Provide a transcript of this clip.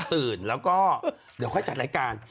ตื่นแล้วก็เดี๋ยวค่อยจัดรายการ